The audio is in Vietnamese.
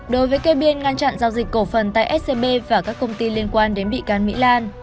đối với cây biên ngăn chặn giao dịch cổ phần tại scb và các công ty liên quan đến bị can mỹ lan